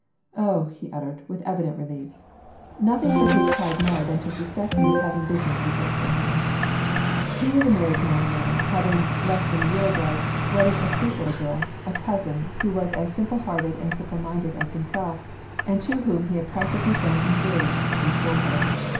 "Oh!" he uttered, with evident relief. Nothing hurt his pride more than to suspect me of having business secrets from him. He was a married man now, having, less than a year ago, wedded a sweet little girl, a cousin, who was as simple hearted and simple minded as himself, and to whom he had practically been engaged since boyhood.